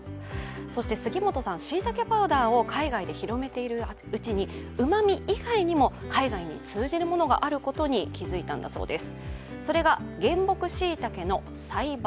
そして杉本さん、しいたけパウダーを海外で広めていくうちにうまみ以外にも海外に通じることがあることに気づいたそうです。